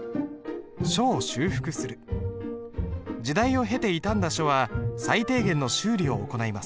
時代を経て傷んだ書は最低限の修理を行います。